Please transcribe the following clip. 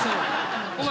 お前